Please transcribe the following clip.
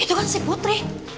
itu kan si putri